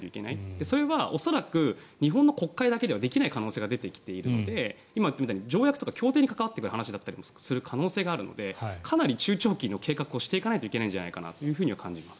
それは恐らく日本の国会だけではできない可能性が出てきているので今、言ったみたいに条約とか協定に関わってくる話でもあるのでかなり中長期の計画をしていかないといけないんじゃないかと感じます。